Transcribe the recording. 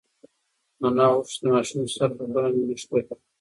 انا غوښتل چې د ماشوم سر په پوره مینه ښکل کړي.